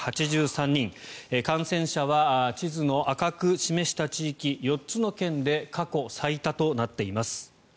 感染者は地図の赤く示した地域４つの県で過去最多となっています。